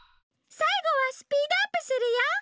さいごはスピードアップするよ！